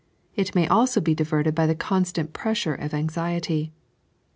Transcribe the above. It may also be diverted by the constant pressure of anxiety.